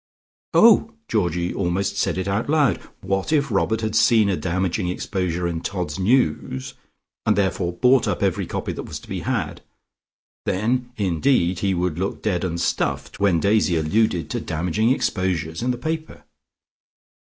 "Oh!" Georgie almost said it aloud What if Robert had seen a damaging exposure in "Todd's News," and therefore bought up every copy that was to be had? Then, indeed, he would look dead and stuffed, when Daisy alluded to damaging exposures in the paper.